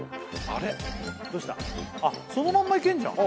あっそのまんまいけんじゃん